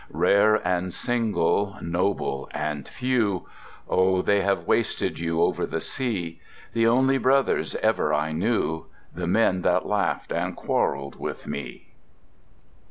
Rare and single! Noble and few!... Oh! they have wasted you over the sea! The only brothers ever I knew, The men that laughed and quarrelled with me.